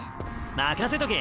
任せとけ！